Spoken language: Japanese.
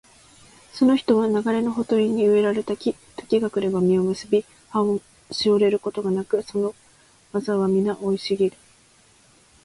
その人は流れのほとりに植えられた木、時が来れば実を結び、葉もしおれることがなく、その業はみな生い茂る